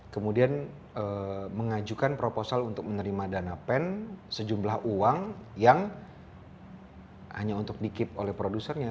kemudian mengajukan proposal untuk menerima dana pen sejumlah uang yang hanya untuk di keep oleh produsernya